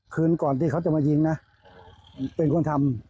คืนก่อนที่เขาจะมายิงนะเป็นคนทำ